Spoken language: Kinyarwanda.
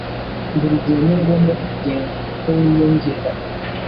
Buri gihe ni ngombwa kugenzura uko wiyongera ibiro